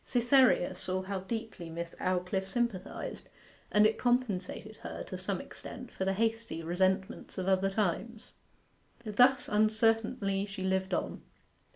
Cytherea saw how deeply Miss Aldclyffe sympathized and it compensated her, to some extent, for the hasty resentments of other times. Thus uncertainly she lived on.